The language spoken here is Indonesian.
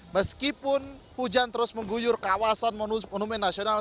meskipun hujan terus mengguyur kawasan monumen nasional